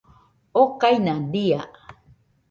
okaina dia